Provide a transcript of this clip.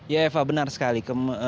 ya eva benar sekali